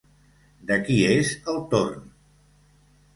De qui és el torn?